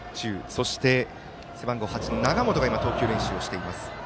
そして背番号８の永本が投球練習をしています。